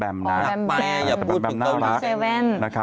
แบมอย่าพูดผิดเกาหลี๗